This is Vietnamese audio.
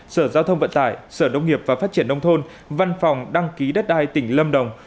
sở giao thông vận tải sở nông nghiệp và phát triển nông thôn văn phòng đăng ký đất đai tỉnh lâm đồng